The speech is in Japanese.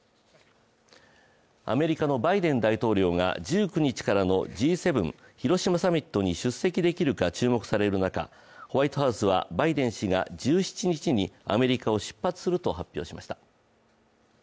アメリカのバイデン大統領が１９日からのＧ７広島サミットに出席できるか注目される中ホワイトハウスはバイデン氏が１７日にアメリカを出発すると発表しました。